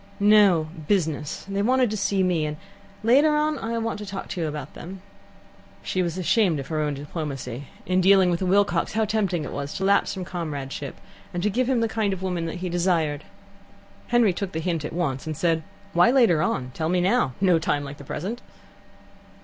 "No; business. They wanted to see me, and later on I want to talk to you about them." She was ashamed of her own diplomacy. In dealing with a Wilcox, how tempting it was to lapse from comradeship, and to give him the kind of woman that he desired! Henry took the hint at once, and said: "Why later on? Tell me now. No time like the present."